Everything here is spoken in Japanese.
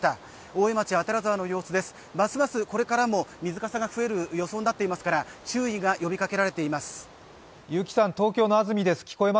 大江町左沢の様子です、ますますこからも水かさが増す予報になっていますから注意が呼びかけられています。